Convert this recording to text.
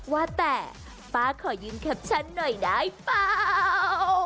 ว่าแต่ป้าขอยืมแคปชั่นหน่อยได้เปล่า